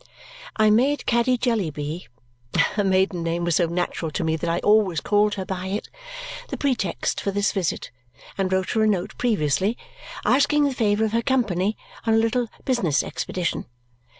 I made Caddy Jellyby her maiden name was so natural to me that I always called her by it the pretext for this visit and wrote her a note previously asking the favour of her company on a little business expedition.